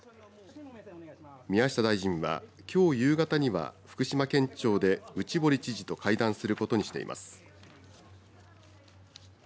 宮下大臣はきょう夕方には福島県庁で内堀知事と会談することにしています。